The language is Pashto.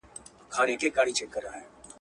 که منفي فکر وکړئ، ستونزې زیاتېږي.